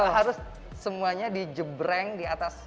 harus semuanya dijebreng di atas